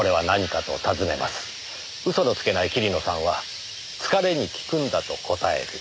嘘のつけない桐野さんは疲れに効くんだと答える。